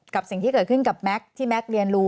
สิ่งที่เกิดขึ้นกับแม็กซ์ที่แก๊กเรียนรู้